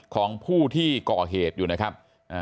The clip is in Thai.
ของผู้ที่ก่อเหตุอยู่นะครับ